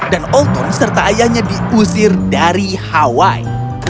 dan olton serta ayahnya diusir dari hawaii